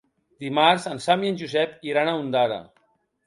Dimarts en Sam i en Josep iran a Ondara.